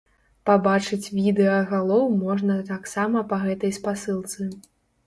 Пабачыць відэа галоў можна таксама па гэтай спасылцы.